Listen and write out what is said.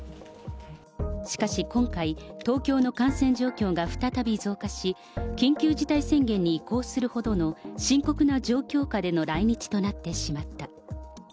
しかし、今回、東京の感染状況が再び増加し、緊急事態宣言に移行するほどの深刻な状況下での来日となってしまった。